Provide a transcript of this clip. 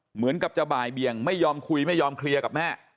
เหมือนกับจะบ่ายเบียงไม่ยอมคุยไม่ยอมเคลียร์กับแม่